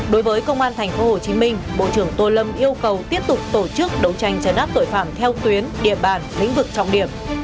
đối với công an tp hồ chí minh bộ trưởng tô lâm yêu cầu tiếp tục tổ chức đấu tranh chân áp tội phạm theo tuyến địa bàn lĩnh vực trong điểm